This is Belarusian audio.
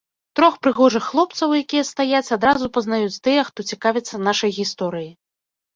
Трох прыгожых хлопцаў, якія стаяць, адразу пазнаюць тыя, хто цікавіцца нашай гісторыяй.